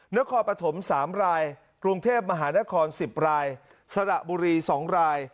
นครปฐม๓รายกรุงเทพมหานคร๑๐รายสระบุรี๒ราย